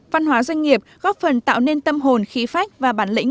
văn hóa doanh nghiệp góp phần tạo nên tâm hồn khí phách và bản lĩnh